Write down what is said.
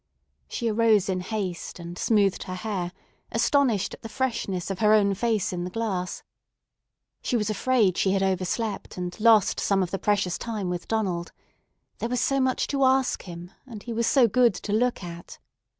She arose in haste and smoothed her hair, astonished at the freshness of her own face in the glass. She was afraid she had overslept and lost some of the precious time with Donald. There was so much to ask him, and he was so good to look at.